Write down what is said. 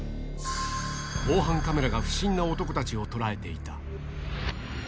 防犯カメラが不審な男たちを捉えていた。